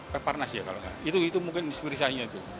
peparnas ya kalau enggak itu mungkin inspirasinya itu